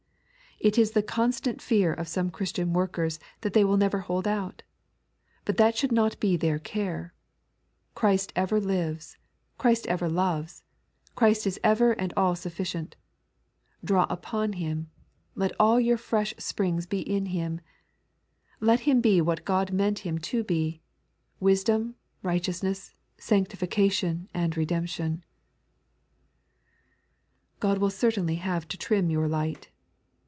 It is the constant fear of some Christian workers that they will never hold out. But that should not be their care. Christ ever lives, Christ ever loves, Christ is ever and all sufficient. Draw upon Him; let all your fresh springs be in Him; let Him be what God meant Him to be —" wisdom, righteousness, sanctification, bjuI redemp God will certavfiU/ have to Prim your light.